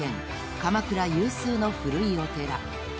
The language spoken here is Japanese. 鎌倉有数の古いお寺］